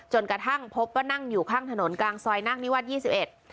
กระทั่งพบว่านั่งอยู่ข้างถนนกลางซอยนักนิวัฒนยี่สิบเอ็ด